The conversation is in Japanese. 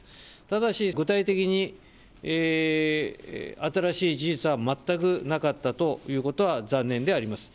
ただし、具体的に新しい事実は全くなかったということは、残念であります。